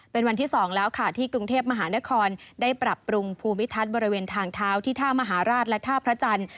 เป็นวันที่๒แล้วค่ะที่กรุงเทพมหานครได้ปรับปรุงภูมิทัศน์บริเวณทางเท้าที่ท่ามหาราชและท่าพระจันทร์